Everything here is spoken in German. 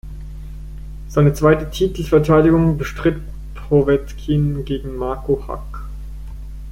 Seine zweite Titelverteidigung bestritt Powetkin gegen Marco Huck.